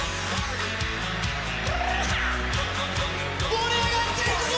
盛り上がっていくぞ！